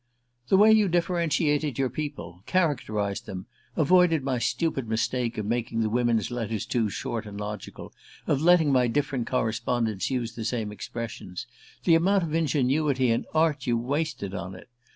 "The way you differentiated your people characterised them avoided my stupid mistake of making the women's letters too short and logical, of letting my different correspondents use the same expressions: the amount of ingenuity and art you wasted on it!